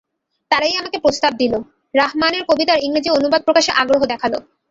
তারাই আমাকে প্রস্তাব দিল, রাহমানের কবিতার ইংরেজি অনুবাদ প্রকাশে আগ্রহ দেখাল।